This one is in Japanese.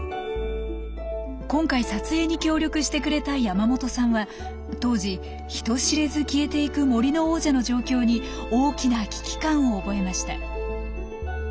今回撮影に協力してくれた山本さんは当時人知れず消えていく森の王者の状況に大きな危機感を覚えました。